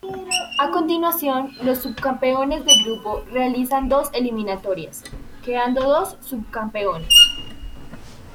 A continuación los subcampeones de grupo realizan dos eliminatorias, quedando dos subcampeones.